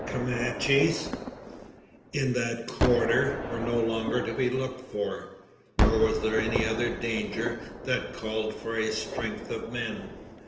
Comanches, in that quarter, were no longer to be looked for; nor was there any other danger that called for a strength of men.